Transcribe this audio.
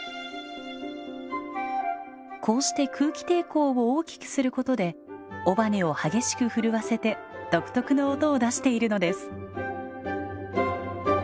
こうして空気抵抗を大きくすることで尾羽を激しく震わせて独特の音を出しているのです。